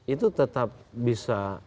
itu tetap bisa